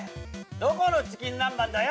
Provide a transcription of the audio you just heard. どこのチキン南蛮だよ！